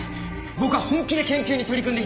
僕は本気で研究に取り組んでいて。